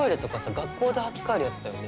学校で履き替えるやつだよね。